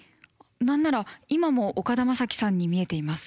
何なら今も岡田将生さんに見えています。